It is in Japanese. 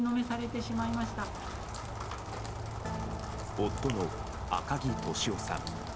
夫の赤木俊夫さん。